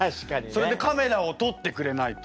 それでカメラを撮ってくれないと。